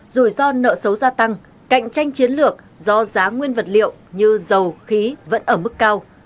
rủi ro nợ xấu gia tăng cạnh tranh chiến lược do giá nguyên vật liệu như dầu khí vẫn ở mức cao